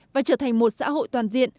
và trở thành một xã hội toàn diện